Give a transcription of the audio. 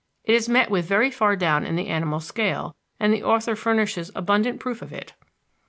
It is met with very far down in the animal scale, and the author furnishes abundant proof of it.